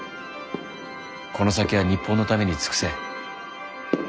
この先は日本のために尽くせ。